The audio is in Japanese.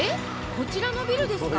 こちらのビルですか？